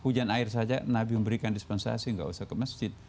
hujan air saja nabi memberikan dispensasi gak usah ke masjid